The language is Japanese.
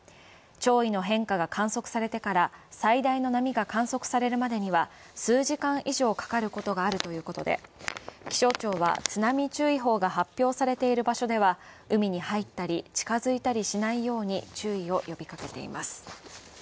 潮位の変化が観測されてから、最大の波が観測されるまでには数時間以上かかることがあるということで、気象庁は津波注意報が発表されている場所では海に入ったり近づいたりしないように注意を呼びかけています。